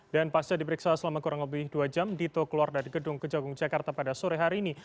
dan pasca diperiksa selama kurang lebih dua jam dito keluar dari gedung kejagung jakarta pada sore hari ini